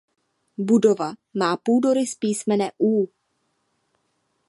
Budova má půdorys písmene „U“.